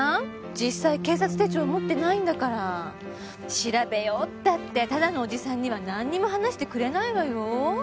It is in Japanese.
実際警察手帳持ってないんだから調べようったってただのおじさんにはなんにも話してくれないわよ？